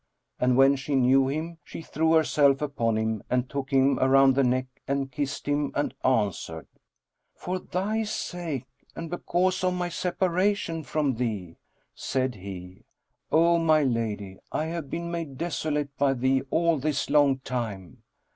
And when she knew him, she threw herself upon him, and took him around the neck and kissed him and answered, "For thy sake and because of my separation from thee." Said he, "O my lady, I have been made desolate by thee all this long time!"